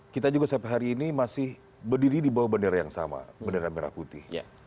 kita juga sampai hari ini masih berdiri di bawah bendera yang sama bendera merah putih